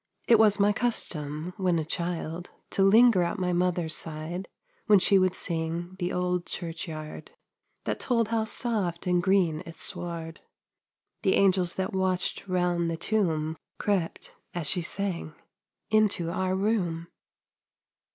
It was my custom, when a child, To linger at my mother's side When she would sing "The Old Church Yard," That told how soft and green its sward. "The angels that watched 'round the tomb" Crept, as she sang, into our room.